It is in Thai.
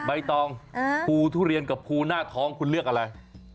ใบตองภูทุเรียนกับภูหน้าท้องคุณเลือกอะไร